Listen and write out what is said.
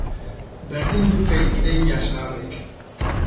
Berdin dute ideia zaharrek.